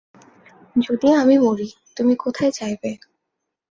যদি আমি মরি তুমি কোথায় যাইবে?